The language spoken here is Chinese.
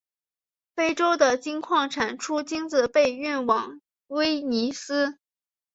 非洲的金矿产出金子被运往威尼斯。